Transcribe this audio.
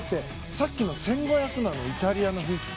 さっきの１５００ｍのイタリアの雰囲気。